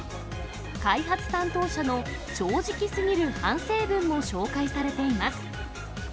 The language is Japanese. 開発担当者の正直すぎる反省文も紹介されています。